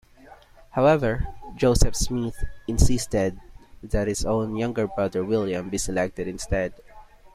However, Joseph Smith insisted that his own younger brother, William, be selected instead.